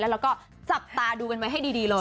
แล้วก็จับตาดูกันไว้ให้ดีเลย